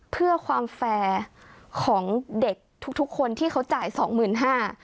เพื่อความแฟร์ของเด็กทุกทุกคนที่เขาจ่ายสองหมื่นห้า